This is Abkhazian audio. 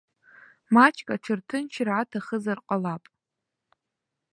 Маҷк аҽырҭынчра аҭахызар ҟалап.